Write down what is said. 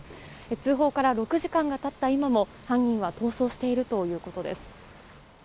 通報から６時間が経った今も犯人は逃走しているということです。